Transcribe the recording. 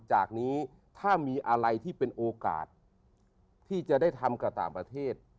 จากนี้ถ้ามีอะไรที่เป็นโอกาสที่จะได้ทำกับต่างประเทศ